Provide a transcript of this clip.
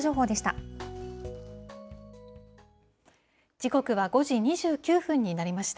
時刻は５時２９分になりました。